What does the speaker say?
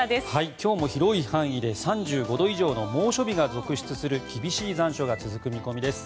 今日も広い範囲で３５度以上の猛暑日が続出する厳しい残暑が続く見込みです。